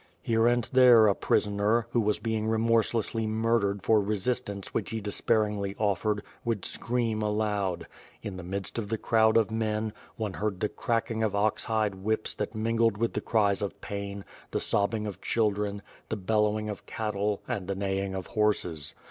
Here and there a prisoner, who was being remorse lessly murdered for resistance which he despairingly offered, would scream aloud. In the midst of the crowd of men, one heard the cracking of ox hide whips that mingled with the cries of pain, the sobbing of children, the bellowing of cattle, and the neighing of horses.